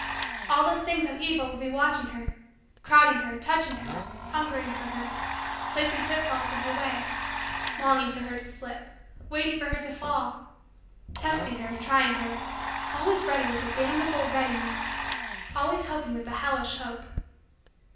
All those things of evil would be watching her, crowding her, touching her, hungering for her; placing pitfalls in her way; longing for her to slip; waiting for her to fall; testing her, trying her, always ready with a damnable readiness; always hoping with a hellish hope.